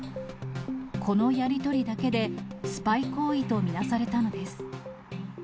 このやり取りだけで、スパイ行為と見なされたのです。